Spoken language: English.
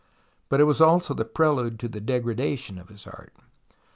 But it was also the prelude to the degradation of his art.